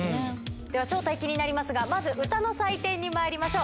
では正体気になりますが、まず歌の採点にまいりましょう。